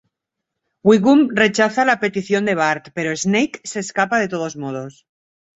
Wiggum rechaza la petición de Bart, pero Snake se escapa de todos modos.